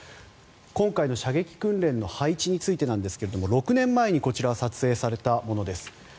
今回の射撃訓練の配置についてなんですが６年前にこちらは撮影されたものです。